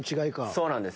そうなんです。